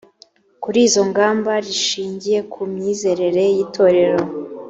kuri izo ngamba rishingiye ku myizerere y itorero